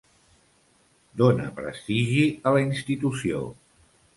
Dóna prestigi a la institució.